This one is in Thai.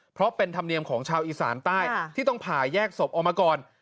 เพราะเป็นธรรมเนียมของชาวอีสานใต้ที่ต้องผ่าแยกศพออกมาก่อน